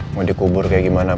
mau dikubur kayak gimana